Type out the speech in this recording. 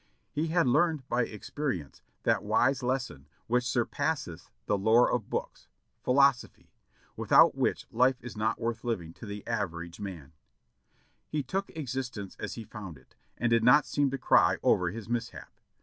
He had learned by ex perience that wise lesson which surpasseth the lore of books, "philosophy," without which life is not worth living to the AN Alvlv NIGHT JOURNEY 633 average man. He took existence as he found it, and did not seem to cry over his mishap.